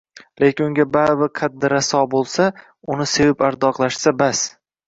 Lekin unga baribir qaddi raso bo`lsa, uni sevib-ardoqlashsa bas